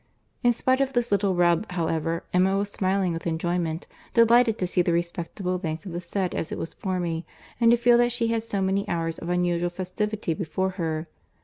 —In spite of this little rub, however, Emma was smiling with enjoyment, delighted to see the respectable length of the set as it was forming, and to feel that she had so many hours of unusual festivity before her.